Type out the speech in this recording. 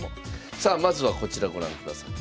さあまずはこちらご覧ください。